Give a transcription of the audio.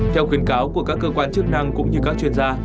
theo khuyến cáo của các cơ quan chức năng cũng như các chuyên gia